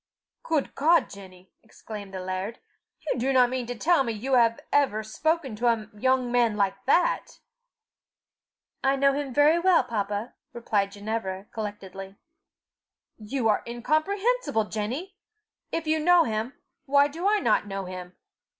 "Good God, Jenny!" exclaimed the laird, "you do not mean to tell me you have ever spoken to a young man like that?" "I know him very well, papa," replied Ginevra, collectedly. "You are incomprehensible, Jenny! If you know him, why do I not know him?